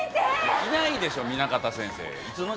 いないでしょ、南方先生。